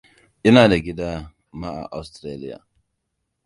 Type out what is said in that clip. Ina da gida ma a Austaraliya.